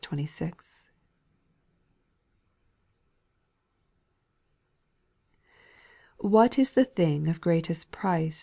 TT7HAT is the thing of greatest price